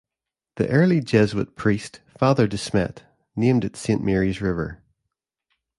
The early Jesuit priest, Father De Smet, named it Saint Mary's River.